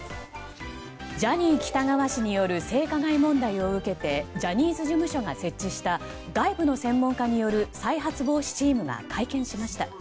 ジャニー喜多川氏による性加害問題を受けてジャニーズ事務所が設置した外部の専門家による再発防止チームが会見しました。